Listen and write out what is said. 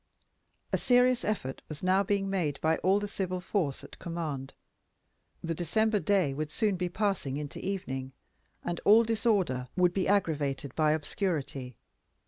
A serious effort was now being made by all the civil force at command. The December day would soon be passing into evening, and all disorder would be aggravated by obscurity.